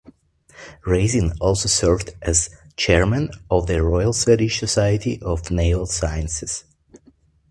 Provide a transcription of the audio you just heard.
Rasin also served as chairman of the Royal Swedish Society of Naval Sciences.